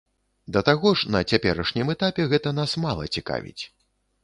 Да таго ж, на цяперашнім этапе гэта нас мала цікавіць.